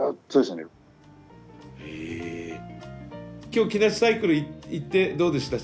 今日木梨サイクル行ってどうでした？